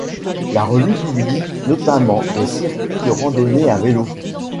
La revue publie notamment des circuits de randonnées à vélo.